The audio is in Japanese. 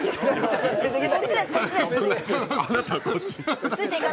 あなた、こっち。